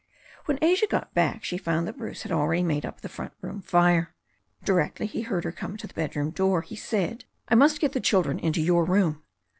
When Asia got back she found that Bruce had already made up the front room fire. Directly he heard her come to the bedroom door, he said : "I must get the children into your room."